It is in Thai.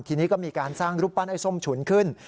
ทีนี้ก็มีการสร้างรูปปั้นไอ้ส้มฉุนขึ้น